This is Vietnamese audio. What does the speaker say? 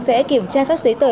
sẽ kiểm tra các giấy tờ